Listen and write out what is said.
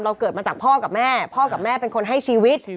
เกิดมาจากพ่อกับแม่พ่อกับแม่เป็นคนให้ชีวิต